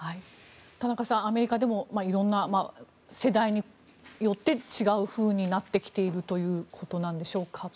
田中さん、アメリカでも世代によって違うふうになってきているということなんでしょうか。